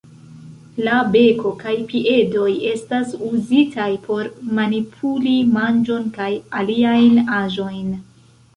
La beko kaj piedoj estas uzitaj por manipuli manĝon kaj aliajn aĵojn.